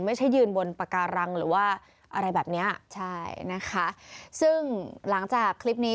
ไม่ใช่ยืนบนปากการังหรือว่าอะไรแบบเนี้ยใช่นะคะซึ่งหลังจากคลิปนี้